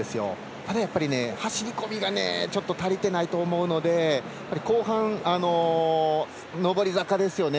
ただやっぱり走り込みが足りてないと思うので後半、上り坂ですよね。